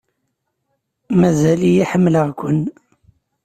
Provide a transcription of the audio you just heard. Mazal-iyi ḥemmleɣ-ken.